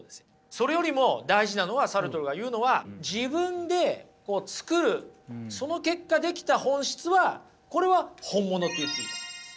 それよりも大事なのはサルトルが言うのは自分で作るその結果出来た本質はこれは本物って言っていいと思います。